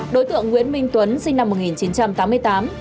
đối tượng nguyễn minh tuấn sinh năm một nghìn chín trăm tám mươi tám